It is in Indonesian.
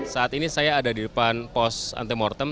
saat ini saya ada di depan pos antemortem